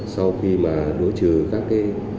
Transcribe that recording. sau khi mà đối trừ các cái